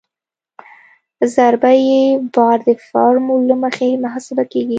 ضربه یي بار د فورمول له مخې محاسبه کیږي